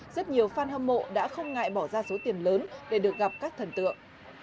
rất nhiều fan hâm mộ đã không ngại bỏ ra số tiền lớn để được gặp các thần tượng